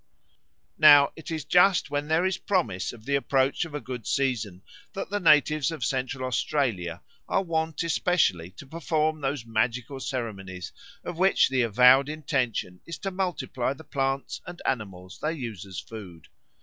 Now it is just when there is promise of the approach of a good season that the natives of Central Australia are wont especially to perform those magical ceremonies of which the avowed intention is to multiply the plants and animals they use as food.